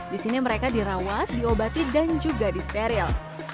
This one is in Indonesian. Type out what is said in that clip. di sini mereka dirawat diobati dan juga disteril